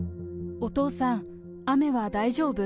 お父さん、雨は大丈夫？